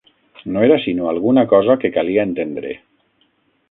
No era sinó alguna cosa que calia entendre.